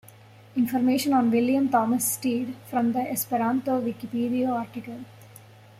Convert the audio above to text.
Information on William Thomas Stead from the Esperanto Vikipedio article.